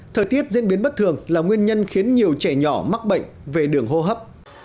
thời tiết diễn biến bất thường là nguyên nhân khiến nhiều trẻ nhỏ mắc bệnh về đường hô hấp